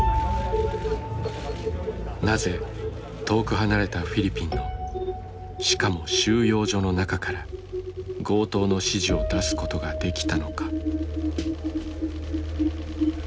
なぜ遠く離れたフィリピンのしかも収容所の中から強盗の指示を出すことができたのか。